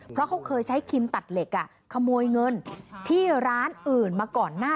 เพราะเขาเคยใช้คิมตัดเหล็กขโมยเงินที่ร้านอื่นมาก่อนหน้า